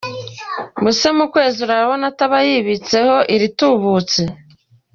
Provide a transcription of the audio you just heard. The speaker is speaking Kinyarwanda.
Ubwo se mu kwezi urabona ataba yibitseho iritubutse.